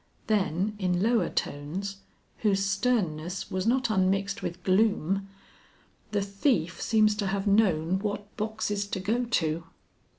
Then in lower tones, whose sternness was not unmixed with gloom, "The thief seems to have known what boxes to go to."